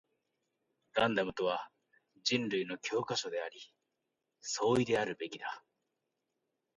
ガンダムとは人類の教科書であり、総意であるべきだ